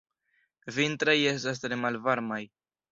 Vintraj estas tre malvarmaj.